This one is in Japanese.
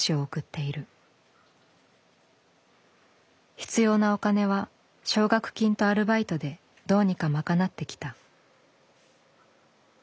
必要なお金は奨学金とアルバイトでどうにか賄ってきた。